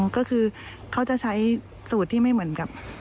ก็คือเขาจะใช้สูตรที่ไม่เหมือนกับ